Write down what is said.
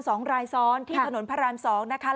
โดน๒รายซ้อนที่ถนนพระราม๒